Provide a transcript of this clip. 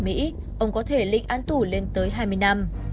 mỹ ông có thể lịnh án tù lên tới hai mươi năm